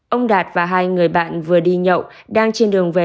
ông đạt và hai người bạn vừa đi nhậu đang trên đường về